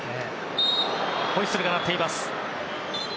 ホイッスルが鳴っています。